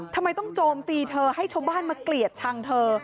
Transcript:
ทำไมต้องโจมตีเธอให้ชาวบ้านมาเกลียดชังเธอ